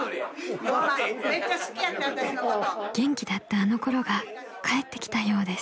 ［元気だったあのころがかえってきたようです］